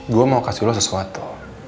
gue mau kasih lo sesuatu